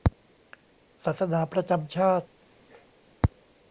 ศาสนาประจำชาติ